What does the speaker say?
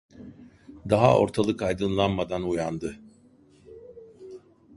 Daha ortalık aydınlanmadan uyandı.